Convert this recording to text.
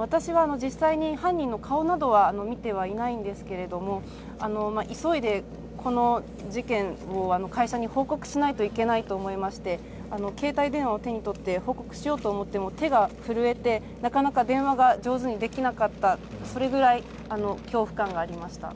私は実際に犯人の顔などは見ていないんですけれども、急いで、この事件を会社に報告しないといけないと思いまして、携帯電話を手に取って報告しようと思っても手が震えて、なかなか上手に電話ができなかった、それくらい恐怖感がありました。